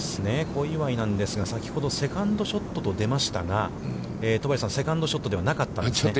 小祝なんですが、先ほどセカンドショットと出ましたが、戸張さん、セカンドショットではなかったんですね。